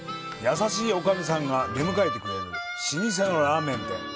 優しいおかみさんが出迎えてくれる老舗のラーメン店。